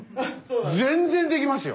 全然できますよ。